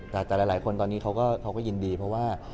แต่หลายคนตอนนี้เขาก็ยินดีเพราะว่า